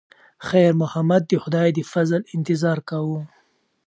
خیر محمد د خدای د فضل انتظار کاوه.